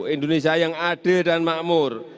indonesia yang adil dan makmur